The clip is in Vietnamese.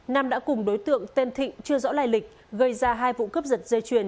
nam đã cùng đối tượng tên thịnh chưa rõ lại lịch gây ra hai vụ cấp dật dây chuyền